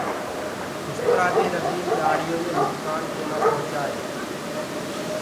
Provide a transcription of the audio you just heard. اُسترآ دي ربيٚن ڏآڙهيو مي نُڪسآن ڪونآ پوهچآئي۔